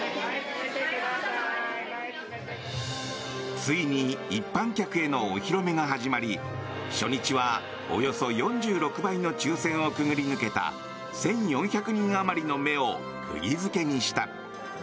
ついに一般客へのお披露目が始まり初日はおよそ４６倍の抽選を潜り抜けた１４００人あまりの目を釘付けにした。